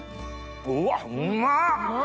うわうまっ！